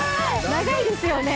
長いですよね。